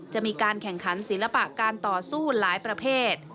จะมีการแข่งขันศิลปะการต่อสู้หลายประเภท